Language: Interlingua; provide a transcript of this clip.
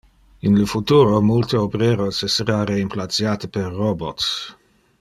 In le futuro, multe obreros essera reimplaciate per robots.